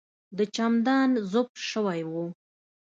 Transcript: د چمدان زپ شوی و.